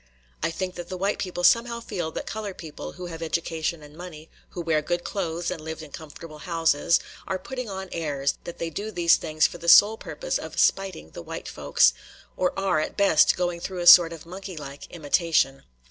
I think that the white people somehow feel that colored people who have education and money, who wear good clothes and live in comfortable houses, are "putting on airs," that they do these things for the sole purpose of "spiting the white folks," or are, at best, going through a sort of monkey like imitation.